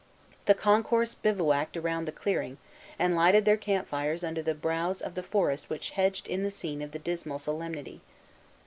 The concourse bivouacked around the clearing, and lighted their camp fires under the brows of the forest which hedged in the scene of the dismal solemnity.